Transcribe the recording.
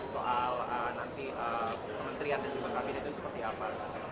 soal nanti kementerian dan juga kabinet itu seperti apa